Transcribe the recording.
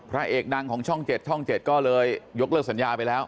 พระเอกดังของช่อง๗ช่อง๗ก็เลยยกเลิกสัญญาไปแล้ว